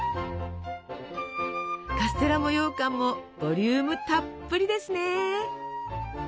カステラもようかんもボリュームたっぷりですね。